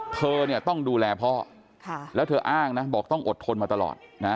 เธอเนี่ยต้องดูแลพ่อแล้วเธออ้างนะบอกต้องอดทนมาตลอดนะ